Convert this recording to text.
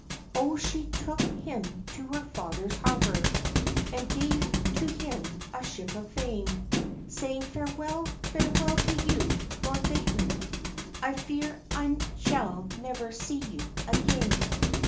O she took him to her father's harbor, And gave to him a ship of fame, Saying, "Farewell, farewell to you, Lord Bateman, I fear I shall never see you again."